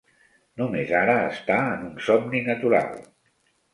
Només ara està en un somni natural.